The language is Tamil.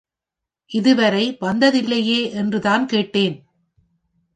இதுவரை வந்ததில்லையே என்று தான் கேட்டேன்.